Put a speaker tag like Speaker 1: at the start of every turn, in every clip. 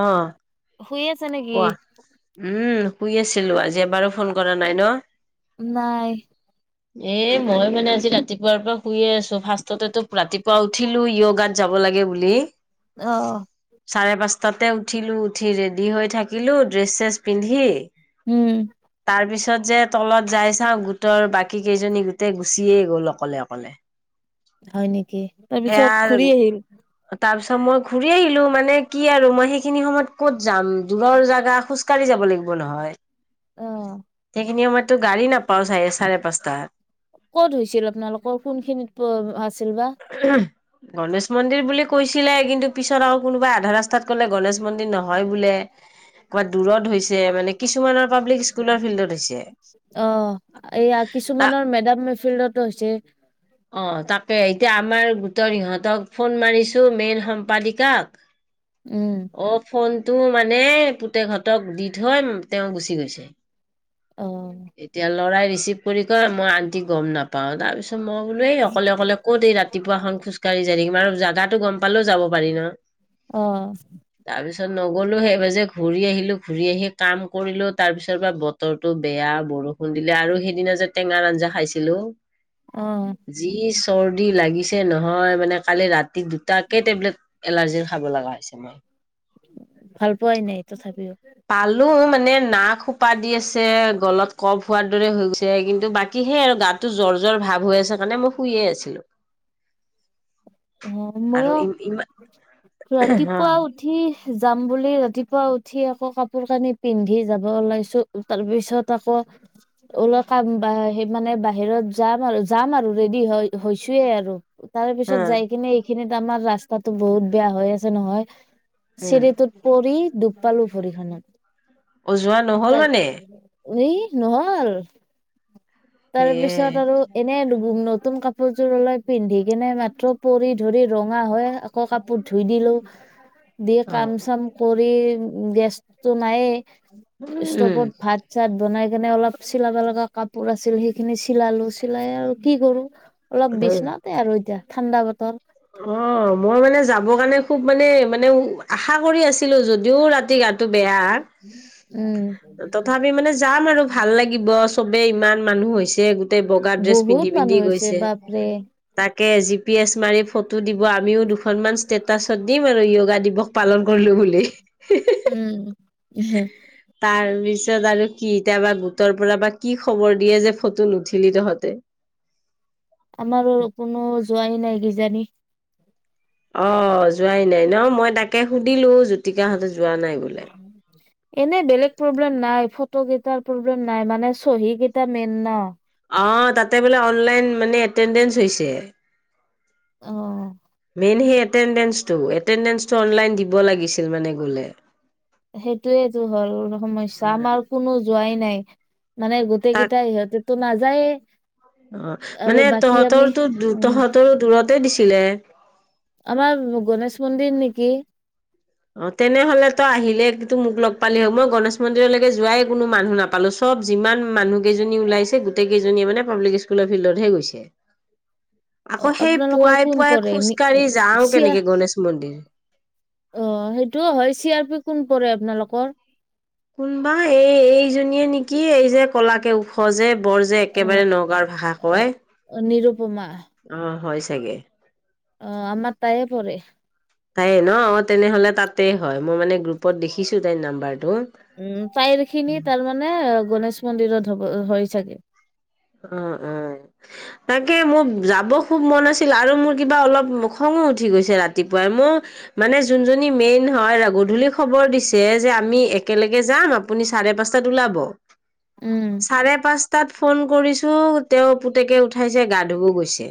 Speaker 1: অ'।
Speaker 2: শুই আছে নেকি?
Speaker 1: কোৱা উম। শুই আছিলো আজি এবাৰো ফোন কৰা নাই ন
Speaker 2: নাই।
Speaker 1: এ মই মানে আজি ৰাতিপুৱাৰ পৰা শুইয়ে আছো ফাৰ্ষ। ততে তো ৰাতিপুৱা উঠিলো য়োগাত। যাব লাগে বুলি।
Speaker 2: অহ।
Speaker 1: তাতে উঠিলো উঠি ৰেডি হৈ। থাকিলোঁ। ড্ৰেছ শ্ৰেছ পিন্ধি
Speaker 2: উম
Speaker 1: তাৰ পিছত যে তলত যাই চাওঁ গোটৰ বাকী কেইজনী গোটেই গুচিয়েই গ'ল অকলে অকলে
Speaker 2: হয় নেকি
Speaker 1: সেয়া
Speaker 2: তাৰপিছত ঘুৰি আহিল।
Speaker 1: তাৰ পিছত মই ঘূৰি আহিলো মানে। কি আৰু মই সেইখিনি সময়ত ক'ত যাম। জোগা খোজকাঢ়ি যাব লাগিব নহয়।
Speaker 2: অহ,
Speaker 1: সেই খিনি সময়তো গাড়ী নাপাওঁ চাৰে চাৰে পাঁচটাত
Speaker 2: ক'ত হৈছিল আপোনালোকৰ কোনখিনিত আছিল বা
Speaker 1: গণেশ। মন্দিৰ বুলি কৈছিলে কিন্তু পিছত আৰু কোনোবা আধা ৰাস্তাত। ক'লে গনেেশ মন্দিৰ নহয় বোলে। ক'ৰবাত দূৰত হৈছে মানে কিছুমানৰ পাব্লিক স্কুলৰ ফিল্ডত হৈছে।
Speaker 2: অ এইয়া
Speaker 1: তা
Speaker 2: কিছুমানৰ মেডাম। ফিল্ডতো হৈছে।
Speaker 1: ইিহঁতক ফোন মাৰিছো মেইন সম্পাদিকাক
Speaker 2: উম
Speaker 1: অ 'ফোন তো মানে পুতেহঁতক দি থৈ তেওঁ গুচি গৈছে
Speaker 2: অ
Speaker 1: এতিয়া লৰাই। ৰিচিভ কৰি কয় মই আন্টি গম নাপাওঁ তাৰ পিছত মই। বোলো অকলে অকলে ক'ত এই ৰাতিপুৱা খন খোজকাঢ়ি যাই থাকিম আৰু জাগাটো গম। পালেও যাব পাৰি ন।
Speaker 2: অহ
Speaker 1: তাৰপিছত নগলো সেইবাৰ যে ঘূৰি আহিলো ঘূৰি আহি কাম কৰিলো তাৰ পিছৰ বা বতৰটো বেয়া বৰষুণ দিলে আৰু সেইদিনা যে টেঙাৰ আঞ্জা খাইছিলো
Speaker 2: অ
Speaker 1: যি চৰ্দি লাগিছে নহয় মানে। কালি ৰাত দুটাকে টেবলেট এলাৰ্জিৰ খাব লগা হৈছে মই।
Speaker 2: ভাল পোৱাই নাই তথাপিও
Speaker 1: মে নাক সোপা দি আছে, গলত কফ হোৱাৰ দৰে হৈ গৈছে কিন্তু বাকী সেই আৰু গাতো জ্বৰ-জ্বৰ ভাৱ হৈ আছে। মানে মই শুইে আছিলো।
Speaker 2: অ'
Speaker 1: আৰু
Speaker 2: ময়ো
Speaker 1: ই ইমান অ
Speaker 2: ৰাতিপুৱা উঠি যাম বুলি ৰাতিপুৱা উঠি আকৌ কাপোৰ কানি পিন্ধি যাব ওলাইছো তাৰ পিছত আকৌ ওলা কাম সেই মানে বাহিৰত যাম আৰু যাম আৰু ৰেডি হয় হৈছোয়ে আৰু তাৰ পিছত
Speaker 1: অ
Speaker 2: যাই মানে এইখিনিত আমাৰ ৰাস্তাতো বহুত বেয়া হৈ আছে নহয়।
Speaker 1: উম
Speaker 2: চিৰি তোত পৰি দুুখ পালো ভৰিখনত।
Speaker 1: ও যোৱা নহ'ল মানে
Speaker 2: উ এই নহ'ল।
Speaker 1: সেয়ে
Speaker 2: তাৰপিছত আৰু এনে দু উ নতুন কাপোৰযোৰ উলাই পিন্ধি কিনে মাত্ৰ পৰি ধৰি ৰঙা হয় আকৌ কাপোৰ ধুই দিলো। দি
Speaker 1: অ
Speaker 2: কাম চাম কৰ ই গেছ টো নায়েই।
Speaker 1: উম
Speaker 2: ষ্টপত ভাত-চাত। বনাই কেনে অলপ চিলাব লগা কাপোৰ আছিল, সেইখিনি চিলালো, চিলাই আৰু কি কৰো। অলপ
Speaker 1: উম
Speaker 2: বিচনাতে আৰু এতিয়া ঠাণ্ডা বত তৰ।
Speaker 1: অ' মই মানে যাব কাৰণে খুব মানে, মানে আশা কৰি আছিলো যদিও ৰা গাটো বেয়া
Speaker 2: উম
Speaker 1: তথাপি মানে যাম আৰু ভাল লাগিব চবেই ইমান। মানুহ হৈছে গোট ততে বগা ড্ৰেছ
Speaker 2: বহুত
Speaker 1: পিন্ধি-পিন্ধি
Speaker 2: মানুহ হৈছে
Speaker 1: গৈছে
Speaker 2: বাপৰে
Speaker 1: তাক কে জি পি এছ মাৰি ফটো দিব। আমিও দুখনমান ষ্টেট তাৰ পিছত দিম আৰু য়োগা দিৱস পালন কৰিলো বুলি।
Speaker 2: উম'।
Speaker 1: তাৰ বিছ। আৰু কি এতিয়া বা গোটৰ পৰা বা কি খবৰ দিয়ে যে ফটো নুঠিলি তহঁতে
Speaker 2: আমাৰো কোনো যোৱাই নাই কিজানি
Speaker 1: অ যোৱাই নাই ন মই তাকে সুধিলো জুতিকাহঁতে
Speaker 2: উ এনেই বেলেগ প্ৰব্লেম নাই ফটো কেইটাৰ প্ৰব্লেম নাই মানে চহী কেইটা মেইন ন
Speaker 1: অ তাতে বোলে অনলাইন মানে এটেণ্ডেঞ্চ হৈছে।
Speaker 2: অ
Speaker 1: মেইনটো এণ্ট্ৰেডেন্সটো এণ্ট্ৰেডেন্সটো অনলাইন দিব লাগিছিল মানে গ'লে।
Speaker 2: সেইটোয়েইটো হ'ল সমস্যা আমাৰ কোনো যোৱাই নাই মানে গোটেই
Speaker 1: তাক
Speaker 2: কেইটাই ইিহঁতেতো নাজ নাযায়
Speaker 1: অ মানে তহঁতৰো
Speaker 2: উম
Speaker 1: তহঁতৰো দূৰত তে দিছিলে।
Speaker 2: আমাৰ গণেশ মন্দিৰ নেি গে
Speaker 1: অ তেনেহ'লে তই আহিলে কিন্তু মোক লগ পালি হ মই গণেশ মন্দিৰলৈকে যোৱাই কোনো মানুহ নাপালো চব যিমান মানুহ কেইজনী ওলাইছে গোটেই কেইজনীয়ে মানে পাব্লিক স্কুলৰ ফিল্ডতহে গৈছে
Speaker 2: অ
Speaker 1: আকৌ সেই
Speaker 2: আপোনালোকৰ
Speaker 1: পুৱাই
Speaker 2: কোন
Speaker 1: পুৱাই
Speaker 2: পৰে নি
Speaker 1: খোজকাঢ়ি যাওঁ
Speaker 2: চিয়া
Speaker 1: কেনেকে গণেশ মন্দিৰ।
Speaker 2: টো হয় চি আৰ পি কোন পৰে আপোনালোকৰ
Speaker 1: কোনবা এই এইজনীয়ে নেকি এই যে কলাকে ওখ যে বৰ যে
Speaker 2: অ
Speaker 1: একেবাৰে নগাঁৱৰ ভাষা কয়।
Speaker 2: উপমা
Speaker 1: অ হয় চাগে
Speaker 2: অ আমাৰ তাইে পৰে
Speaker 1: তাই ন তেনেহ'লে তাতেই হয় মই মানে গ্ৰুপত দেখিছো তাইৰ নাম্বাৰটো
Speaker 2: উম পাইৰ খিনি তাৰমানে গণেশ মন্দিৰত হব হয় চাগে
Speaker 1: অ অ তাকে মোৰ যাব খুব মন আছিল আৰু মোৰ কিবা অলপ খঙো উঠি গৈছে ৰাতিপুৱাই মোৰ মানে যোনজনী মেইন হয় গধূলি খবৰ দিছে যে আমি একেলগে যাম আপুনি চাৰে পাঁচটাত ওলাব
Speaker 2: উম
Speaker 1: চাৰে পাঁচ তাত ফোন কৰিছো তেওঁ পুতেকে উঠাইছে গা ধুবও গৈছে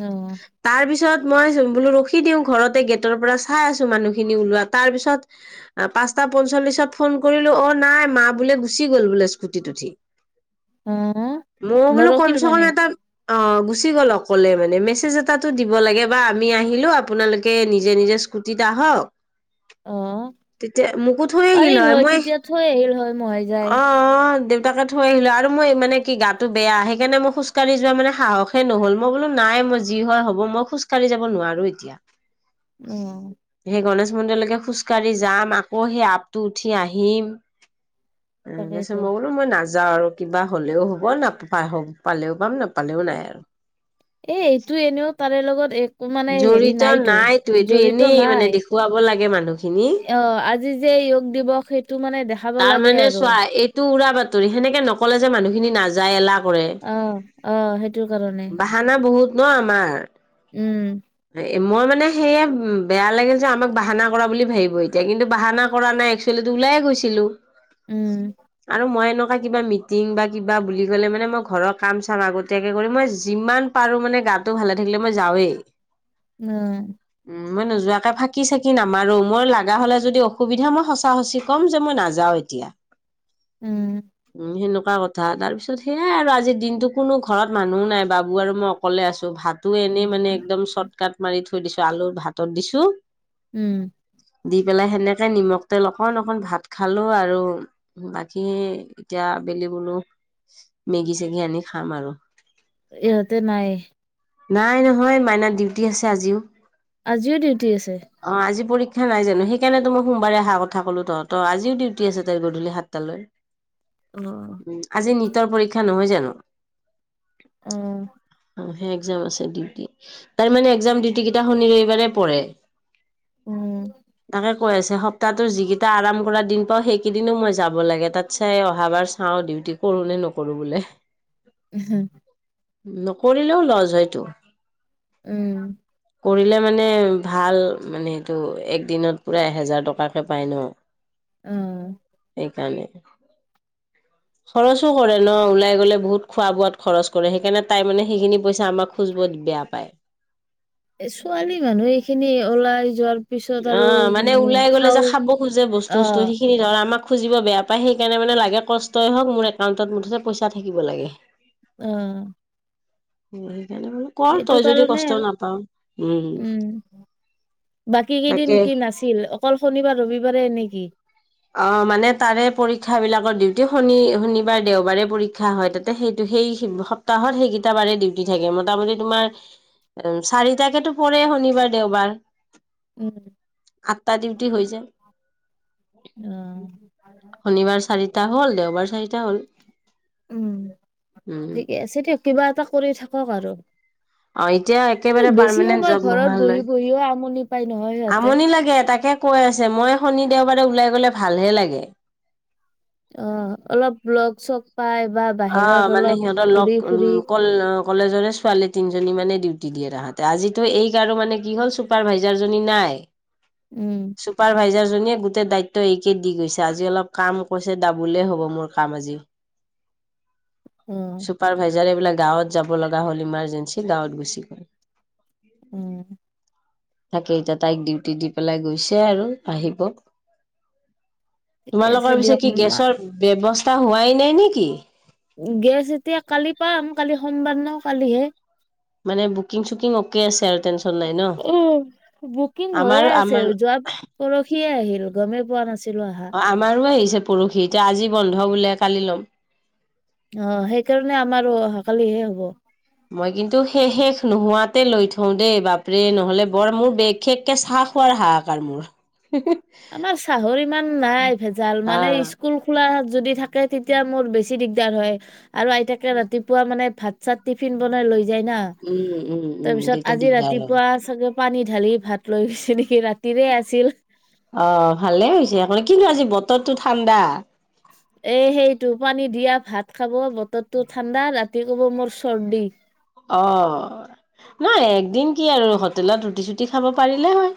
Speaker 2: অ
Speaker 1: তাৰ পিছত মই বোলো ৰখি দিওঁ ঘৰতে গেটৰ পৰা চাই আছো মানুহখিনি ওলোৱা তাৰ পিছত পাঁচটা পঞ্চল্লিশত ফোন কৰিলো অ নাই মা বোলে গুচি গ'ল বোলে স্কুটিত উঠি।
Speaker 2: অ
Speaker 1: মই বোলো কম
Speaker 2: নৰখিল
Speaker 1: চে কম
Speaker 2: মানে
Speaker 1: এটা অ গুচি গ'লক মানে মেজ এটো দিব লাগে বা আমি আহিলো আপোনালোকে নিজে নিজে স্কুটিত আহক
Speaker 2: অ
Speaker 1: মোকো থৈ আহিল
Speaker 2: পাৰিল
Speaker 1: হয় মই
Speaker 2: তেতিয়া থৈ আহিল হয় মহাই যায়
Speaker 1: অ অ দে তাকে থৈ আহিল আৰু মই মানে কি গাটো বেয়া সেইকাৰণে মই খোজ কঢ়ি যোৱা মানে সাহসে নহ'ল মই বোলো নাই মই যি হয় হ'ব মই খোজ কঢ়ি যাব নোৱাৰো এতিয়া।
Speaker 2: উম
Speaker 1: কিমন্দিৰলৈকে খোজকাাঢ়ি যাম আকৌ সেই আপটো উঠি আহিম
Speaker 2: তাকেইতো
Speaker 1: ত মইো মই নাজো যা আৰু কিবা হ'লেও হ'ব ন পালেও পাম নাপালেও নাই আৰু।
Speaker 2: এ এইটো ন তাৰে লগত এক একো মানে হেৰি
Speaker 1: জড়িত
Speaker 2: নাইতো
Speaker 1: এইটো
Speaker 2: জড়িত
Speaker 1: এনেই মানে
Speaker 2: নাই
Speaker 1: দেখুৱাব লাগে মানুহখিনি
Speaker 2: অ আজি যে যোগ দিৱস সেইটো মানে দেখাব
Speaker 1: তাৰ
Speaker 2: লাগে
Speaker 1: মানে
Speaker 2: আৰু
Speaker 1: চোৱা এইটো উৰা সেনেকে নকলে যে মানুহখিনি নাযায় এলাক
Speaker 2: আহ আহ সেইটো কাৰণে
Speaker 1: বাহানা বহুত ন আমাৰ
Speaker 2: উম
Speaker 1: মই মানে সেয়ে বেয়া লাগিল যে আমাক বাহানা কৰা বুলি ভাবিব এতিয়া কিন্তু বাহানা কৰা নাই একচুৱেলি ওলাই গৈছিলো।
Speaker 2: উম
Speaker 1: আৰু মইনো কিবা মিটিং বা কিবা বুলি কলে মানে মই ঘৰৰ কাম চাম আগতীয়াকে কৰি মই যিমান পাৰো মানে গাটো ভালে থাকিলে মই যাওঁৱেই।
Speaker 2: উম
Speaker 1: উ মই নোযোৱাকে ফাঁকি চাকি নামাৰো মই লগা হ'লে যদি অসুবিধা মই সঁচা সঁচি ক'ম যে মই নাযাও এতিয়া।
Speaker 2: উম
Speaker 1: উম, সেনেকুৱা কথা তাৰপিছত সেয়াই আৰু আজিৰ দিনটো কোনো ঘৰত মানুহো নাই বাবু আৰু মই অকলে আছো ভাত তো এনে মানে একদম চ তাত মাৰি থৈ দিছো আলুৰ ভাতত দিছো
Speaker 2: উম
Speaker 1: দি পেলাই সেনে এ নিমখ তেল অকন অকণ ভাত খালো আৰু বাকী এতিয়া আবেলি বোলো মেগি চেগি আনি খাম আৰু।
Speaker 2: ইহঁতে নাই
Speaker 1: নাই নহয় মাইনা দিউ উটি আছে আজিও
Speaker 2: আজিও ডিউটি আছে
Speaker 1: দো নাই জানো সেইকাৰণেত মই সোমবাৰে অহা কথা কলো তহঁত আজও ডউি আছে তাই গধূলি সাতটাালৈ
Speaker 2: অ
Speaker 1: উ আজি নি তাৰ পৰীক্ষা নহয় জানো
Speaker 2: আহ
Speaker 1: অ সে একজাম আছে ডিউটি তাৰমানে এক্জাম ডিউটি কেইটা শুনিবাৰে পৰে
Speaker 2: উম
Speaker 1: তাকে কৈ আছে সপ্তাহৰ যি কেইটা আৰাম কৰা দিন পাওঁ সেইকেইদিনো মই যাব লাগে তাত চাই অহাবাৰ চাওঁ ডিউটি কৰো নে নকৰো বোলে
Speaker 2: হম
Speaker 1: নকৰিলেও লজ হয় টো
Speaker 2: উম
Speaker 1: কৰিলে মানে ভাল মানে সেইটো একদিনত পূৰা এহেজাৰ টকাকে পায় ন
Speaker 2: অ
Speaker 1: এইকাৰণে খৰচো কৰে ন ওলাই গলে বহুত খোৱা বোৱাত খৰচ কৰে সেইকাৰণে তাই মানে সেইখিনি পইচা আমাক খোজব বেয়া পায়
Speaker 2: এ ছোৱালী মানুহ এইখিনি ওলাই যোৱাৰ পিছত
Speaker 1: অ
Speaker 2: আৰু
Speaker 1: মানে ওলাই গলে যে
Speaker 2: খাও
Speaker 1: খাব খোজে
Speaker 2: অ
Speaker 1: বস্তু বস্তু সেইখিনি ধৰ আমাক খুজিব বেয়া পাই সেইকাৰণে মানে লাগে কষ্টই হওক মোৰ একাউণ্টত মুঠতে পইচা থাকিব লাগে।
Speaker 2: উম।
Speaker 1: [unintelligible] কৰ তই যদি
Speaker 2: কাৰণে
Speaker 1: কষ্ট
Speaker 2: আৰু
Speaker 1: নাপাও হম।
Speaker 2: কি কেইদিন কি নাছিল অকল শনিবাৰ ৰবিবাৰে নেকি
Speaker 1: অ মানে তাৰে পৰীক্ষা বিলাকৰ ডিউটি শনি শনিবাৰ দেওবাৰে পৰীক্ষা হয় তাতে সেই সেই সপ্তাহত সেইকেইটা বাৰে ডিউটি থাকে মোটামুটি তোমাৰ চাৰিটাকে তো পৰে শনিবাৰ দেওবাৰ।
Speaker 2: উম,
Speaker 1: আঠটা
Speaker 2: আহ।
Speaker 1: ডিউটি হৈ যায় তাহ হল দেওবাৰ চা
Speaker 2: উম
Speaker 1: উম
Speaker 2: ঠিকে আছে দিয়ক কিবা এটা কৰি থাকক আৰু।
Speaker 1: অ, এতিয়া
Speaker 2: আৰু
Speaker 1: একেবাৰে
Speaker 2: বেছি
Speaker 1: পাৰমানেন্ট
Speaker 2: সময়
Speaker 1: জব
Speaker 2: ঘৰত বহি
Speaker 1: নোহোৱালৈ
Speaker 2: বহিও আমনি পাই নহয় সিহঁতে
Speaker 1: আমনি লাগে তাকে কৈ আছে মই শনি দেওবাৰে ওলাই গলে ভালহে লাগে।
Speaker 2: অ, অলপ ব্লগ চগ পাই বা
Speaker 1: অ,
Speaker 2: বাহিৰত
Speaker 1: মানে
Speaker 2: অলপ
Speaker 1: সিহঁতৰ লগ
Speaker 2: ঘূৰি ফুৰি
Speaker 1: ক কলেজৰে ছোৱালী তিনজনী মানে ডিউটি দিয়ে তাহাতে আজিতো এইক আৰু মানে কি হ'ল চুপাৰ ভাইজাৰজনী নাই।
Speaker 2: উম
Speaker 1: চুপাৰভাইজাৰ জনীয়ে গোটেই দায়িত্ব এইকে দি গৈছে আজি অলপ কাম কৈছে দাবলে হব মোৰ কাম আজি।
Speaker 2: অ
Speaker 1: চুপাৰ ভাইজাৰ এইবিলাক গাঁৱত যাব লগা হ'ল ইমাৰজেন্সি গাঁৱত গুচি
Speaker 2: উম
Speaker 1: [unintelligible] তাকে এতিয়া তাইক ডিউটি দি পেলাই গৈছে আৰু আহিব।
Speaker 2: ঠিকে আছে
Speaker 1: তোমালোকৰ পিছে
Speaker 2: দিয়ক
Speaker 1: কি গেছৰ ব্যবস্থা হোৱাই নাই নেকি। [unintelligible]
Speaker 2: গেছ এতিয়া কালি পাম কালি সোমবাৰ ন কালিহে
Speaker 1: মানে বুকিং চুকিং অকে আছে আৰু টে
Speaker 2: উ বুকিং হৈয়ে
Speaker 1: আমাৰো
Speaker 2: আছে
Speaker 1: আমাৰ
Speaker 2: যোৱা পৰখি আহিল গমেই পোৱা নাছিল।
Speaker 1: অ আমাৰো আহিছে। পৰহি এতিয়া আজি বন্ধ বোলে কালি ল'ম।
Speaker 2: অ, সেইকাৰণে আমাৰো অহাকালিহে হৱ।
Speaker 1: মই কিন্তু সেই শেষ নোহোৱাতে লৈ থওঁ দেই বাপৰে নহলে বৰ মোৰ বিশেষকে চাহ খোৱাৰ হাহাকাৰ মোৰ।
Speaker 2: আমাৰ চাহৰ ইমান নাই ভেজাল মানে
Speaker 1: আহ
Speaker 2: স্কুল খোলা যদি থাকে তেতিয়া মোৰ বেছি দিগদাৰ হয় আৰু আইতাকে ৰাতিপুৱা মানে ভাত চাত টিফিন বনাই লৈ যেনা
Speaker 1: উম উম উম
Speaker 2: তাৰপিছত
Speaker 1: তেতিয়া
Speaker 2: আজি
Speaker 1: দিগদাৰ হয়।
Speaker 2: ৰাতিপুৱা চাগে পানী ঢালি ভাত লৈ গৈছে নেকি, ৰাতিৰে আছিল।
Speaker 1: অ', ভালে হৈছে আক' কিন্তু আজি বতৰটো ঠাণ্ডা।
Speaker 2: এ সেইটো পানী দিয়া ভাত খাব বতৰটো ঠাণ্ডা ৰাতি ক'ব মোৰ চৰ্দি।
Speaker 1: অ', নহয় একদিন কি আৰু হোটেলত ৰুটি চুটি খাব পাৰিলে হয়।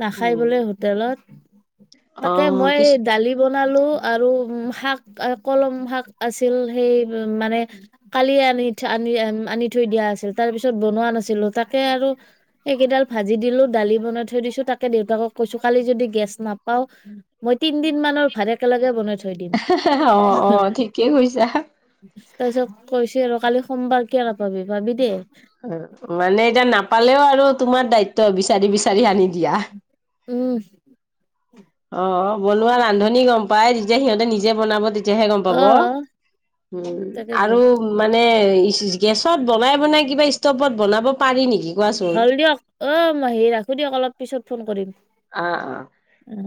Speaker 2: নাখাই
Speaker 1: উম
Speaker 2: বোলে হোটেলত,
Speaker 1: অ
Speaker 2: তাকে মই
Speaker 1: কিছু
Speaker 2: দালি বনালো আৰু শাক, কলম শাক আছিল সেই মানে কালিয়ে আনি, আনি, আনি থৈ দিয়া আছিল তাৰ পিছত বনোৱা নাছিলো তাকে আৰু সেইকেইডাল ভাজি দিলো দালি বনাই যদিয়ো তাকে দেউতাকক কৈছো কালি যদি ইমাৰজেঞ্চি যদি গেছ নাপাওঁ মই তিনদিনমানৰ ভাত একেলগে বনাই থৈ দিম
Speaker 1: অ', অ', ঠিকেই কৈছা।
Speaker 2: তাৰ পিছত কৈছো আৰু কালি সোমবাৰ কিয় নাপাবি পাবি দেই।
Speaker 1: মানে এতিয়া নাপালেও আৰু তোমাৰ দায়িত্ব বিচাৰি বিচাৰি আনি দিয়া।
Speaker 2: উম।
Speaker 1: অ'। বনোৱা ৰান্ধনি গম প পাই তেতিয়া সিহঁতে নিজে বনাব তেত যেহে গম পাব
Speaker 2: অ
Speaker 1: উম,
Speaker 2: তাকেতো
Speaker 1: আৰু মানে গেছত বনাই বনাই কিবা ষ্টভত বনাব পাৰি নেকি? কোৱাচোন?
Speaker 2: হ'ল দিয়ক অ', মাহি ৰাখো দিয়ক অলপ পিছত ফোন কৰিম।
Speaker 1: অ', অ'।
Speaker 2: অ